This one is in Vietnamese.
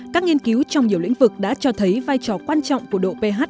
các nghiên cứu trong nhiều lĩnh vực đã cho thấy vai trò quan trọng của độ ph